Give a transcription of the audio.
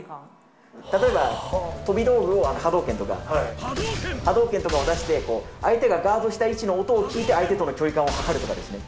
例えば、飛び道具を、波動拳とか、波動拳とかを出して、相手がガードした位置の音を聞いて、相手との距離感をはかるとかですね。